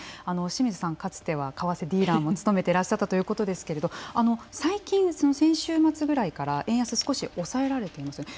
清水さん、かつては為替ディーラーも務めていたということですけど最近、先週末ぐらいから円安、少し抑えられていますよね